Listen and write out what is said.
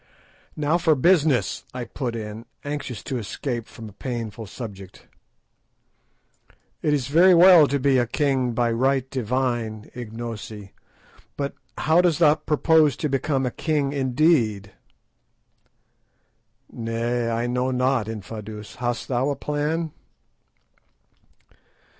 "Now for business," I put in, anxious to escape from a painful subject. "It is very well to be a king by right divine, Ignosi, but how dost thou propose to become a king indeed?" "Nay, I know not. Infadoos, hast thou a plan?"